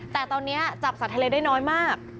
แต่ตอนนี้จับสัตว์ทะเลได้น้อยมาก